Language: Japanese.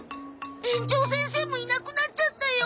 園長先生もいなくなっちゃったよ。